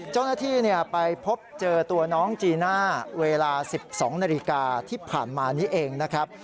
เจ้าหน้าที่ไปพบเจอตัวน้องจีน่าเวลา๑๒นาฬิกาที่ผ่านมานี้เองนะครับ